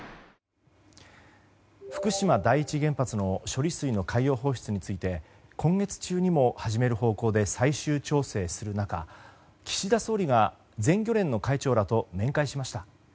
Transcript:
福島第一原発の処理水の海洋放出について今月中にも始める方向で最終調整する中岸田総理が全漁連の会長らと面会しました。